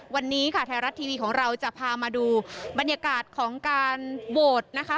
วันนี้ค่ะไทยรัฐทีวีของเราจะพามาดูบรรยากาศของการโหวตนะคะ